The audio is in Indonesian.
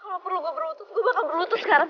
kalau perlu gue berutus gue bakal berutus sekarang